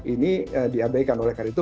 ini diabaikan oleh karena itu